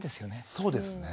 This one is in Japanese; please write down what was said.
そうですね